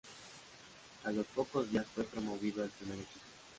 A los pocos días fue promovido al primer equipo.